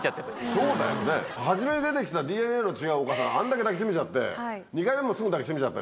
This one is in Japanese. そうだよね初め出て来たＤＮＡの違うお母さんあんだけ抱き締めちゃって２回目もすぐ抱き締めちゃった。